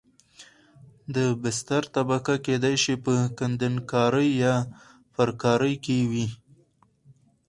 د بستر طبقه کېدای شي په کندنکارۍ یا پرکارۍ کې وي